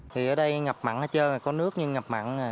thì ở đây ngập mặn hết trơn rồi có nước nhưng ngập mặn rồi